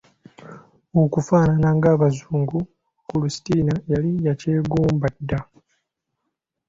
Okufaanana ng'abazungu kulisitini yali yakyegomba dda.